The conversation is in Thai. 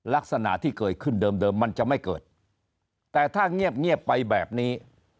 ลักษณะที่เกิดขึ้นเดิมมันจะไม่เกิดแต่ถ้าเงียบไปแบบนี้